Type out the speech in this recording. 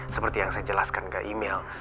seperti yang saya jelaskan ke email